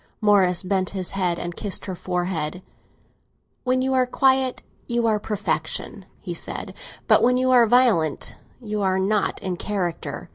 Morris bent his head and kissed her forehead. "When you are quiet, you are perfection," he said; "but when you are violent, you are not in character."